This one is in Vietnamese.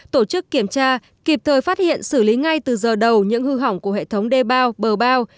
tổ chức kiểm tra kịp thời phát hiện xử lý ngay từ giờ đầu những hư hỏng của hệ thống đê bao bờ bao